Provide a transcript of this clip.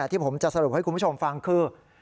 ที่ผมจะสรุปให้คุณผู้ชมฟังคือ